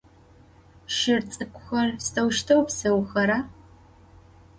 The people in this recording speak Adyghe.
Şır ts'ık'uxer sıdeuşteu pseuxera?